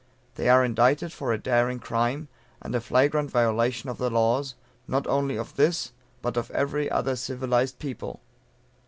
They are indicted for a daring crime, and a flagrant violation of the laws, not only of this, but of every other civilized people."